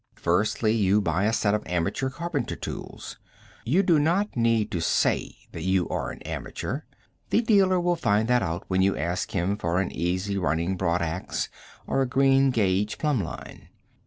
Firstly, you buy a set of amateur carpenter tools. You do not need to say that you are an amateur. The dealer will find that out when you ask him for an easy running broad ax or a green gage plumb line.